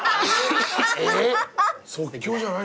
即興じゃない？